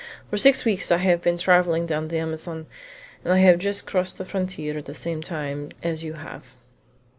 "For six weeks I have been traveling down the Amazon, and I have just crossed the frontier at the same time as you have."